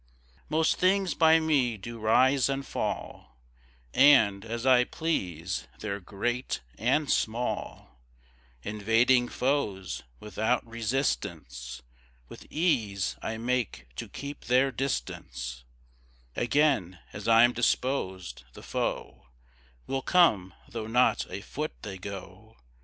Most things by me do rise and fall, And, as I please, they're great and small; Invading foes without resistance, With ease I make to keep their distance: Again, as I'm disposed, the foe Will come, though not a foot they go.